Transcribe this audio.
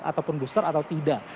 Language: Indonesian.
ataupun booster atau tidak